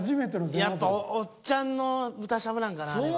やっぱおっちゃんの豚しゃぶなんかなあれは。